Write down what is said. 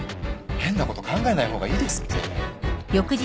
変なこと考えない方がいいですって。